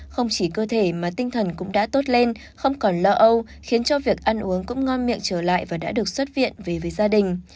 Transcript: không chỉ cơ thể mà tinh thần cũng đã tốt lên không còn lo âu khiến cho việc ăn uống cũng ngon miệng trở lại và đã được xuất viện về với gia đình